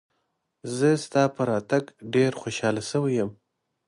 زه ستا په راتګ ډېر خوشاله شوی یم.